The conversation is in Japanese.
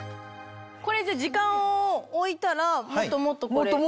これ時間を置いたらもっともっとこれ。